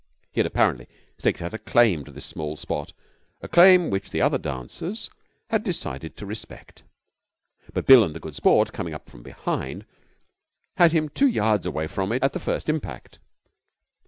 He had apparently staked out a claim to this small spot, a claim which the other dancers had decided to respect; but Bill and the Good Sport, coming up from behind, had him two yards away from it at the first impact.